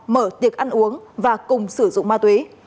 mở tiệc ăn uống và cùng sử dụng ma túy